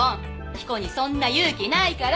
彦にそんな勇気ないから。